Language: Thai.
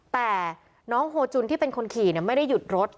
แต่น้องโฮจุนที่เป็นคนขี่ไม่ได้หยุดรถ